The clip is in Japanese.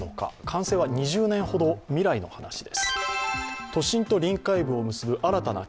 完成は２０年ほど未来の話です。